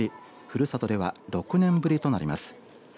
ふるさとでは６年ぶりとなります。